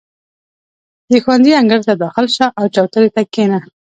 • د ښوونځي انګړ ته داخل شه، او چوترې ته کښېنه.